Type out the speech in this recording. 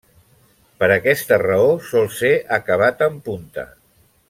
Per aquesta raó sol ser acabat en punta.